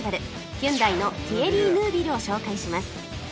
ヒュンダイのティエリー・ヌービルを紹介します